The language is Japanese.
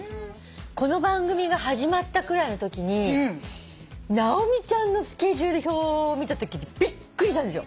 この番組が始まったくらいのときに直美ちゃんのスケジュール表を見たときにびっくりしたんですよ。